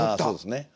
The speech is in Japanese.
そうですね